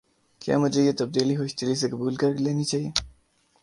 کیا مجھے یہ تبدیلی خوش دلی سے قبول کر لینی چاہیے؟